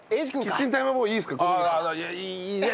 キッチンタイマーボーイいいですか？